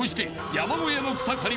山小屋の草刈り！？